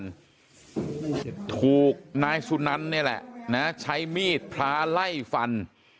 ถูกนายสุนัลใช้มีดพราไล่ฟัน